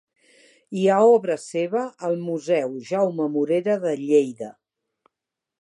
Hi ha obra seva al Museu Jaume Morera de Lleida.